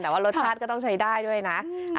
แต่ว่ารสชาติก็ต้องใช้ได้ด้วยนะ